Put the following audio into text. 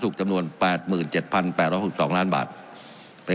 สุขจำนวนแปดหมื่นเจ็ดพันแปดร้อยสิบสองล้านบาทเป็น